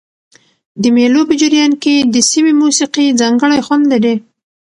د مېلو په جریان کښي د سیمي موسیقي ځانګړی خوند لري.